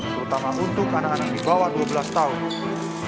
terutama untuk anak anak di bawah dua belas tahun